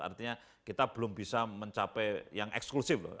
artinya kita belum bisa mencapai yang eksklusif loh